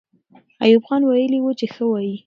ایوب خان ویلي وو چې ښه وایي.